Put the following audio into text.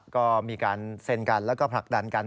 ก็มีการเซ็นกันแล้วก็ผลักดันกัน